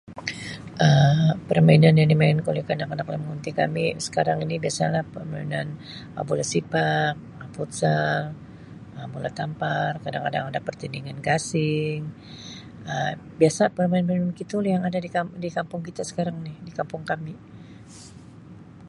Um Permainan yang dimainkan oleh kanak-kanak dalam komuniti kami sekarang ini biasa lah permainan Bola Sepak, Futsal,[Um] Bola Tampar kadang kadang ada pertandingan Gasing Um biasa permain permainan begitu yang ada di kampung kita sekarang ini di kampung kami.